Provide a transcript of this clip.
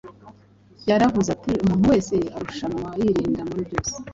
yaravuze ati: “umuntu wese urushanwa yirinda muri byose”